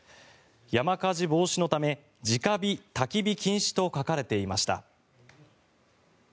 山火事防止のため直火・焚き火禁止と書かれていました。